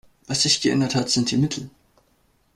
Was sich geändert hat, sind die Mittel.